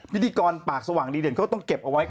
พิธีกรปากสว่างดีเด่นเขาต้องเก็บเอาไว้